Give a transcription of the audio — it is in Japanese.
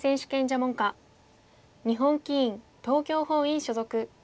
日本棋院東京本院所属。